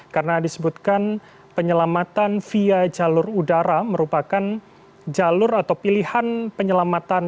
karena disebutkan penyelamatan via jalur udara merupakan jalur atau pilihan penyelamatan